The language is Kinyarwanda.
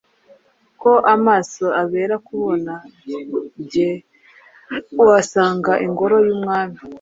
Ko amaso abera kubona. Jye wasanze ingoro y’Umwami,